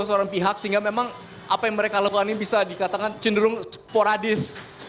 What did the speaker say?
seorang pihak sehingga memang apa yang mereka lakukan ini bisa dikatakan cenderung sporadis